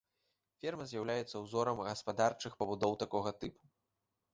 Ферма з'яўляецца ўзорам гаспадарчых пабудоў такога тыпу.